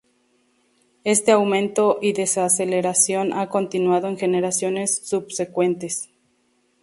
Este aumento y desaceleración ha continuado en generaciones subsecuentes.